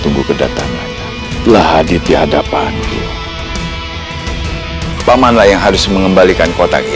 yang conversasilitasi yang mulakan dari semua pengzemot tattoos